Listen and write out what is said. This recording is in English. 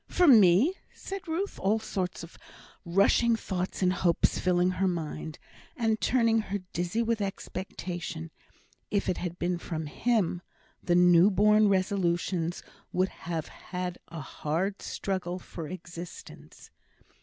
"For me!" said Ruth, all sorts of rushing thoughts and hopes filling her mind, and turning her dizzy with expectation. If it had been from "him," the new born resolutions would have had a hard struggle for existence.